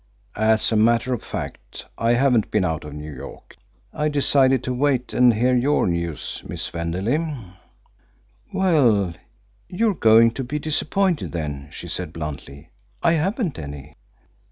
"As a matter of fact, I haven't been out of New York. I decided to wait and hear your news, Miss Wenderley." "Well, you're going to be disappointed, then," she said bluntly. "I haven't any."